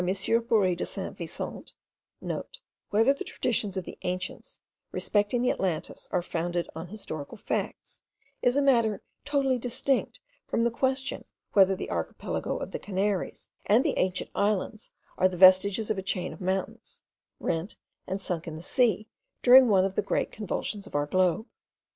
Bory de St. Vincent* (* Whether the traditions of the ancients respecting the Atlantis are founded on historical facts, is a matter totally distinct from the question whether the archipelago of the Canaries and the adjacent islands are the vestiges of a chain of mountains, rent and sunk in the sea during one of the great convulsions of our globe.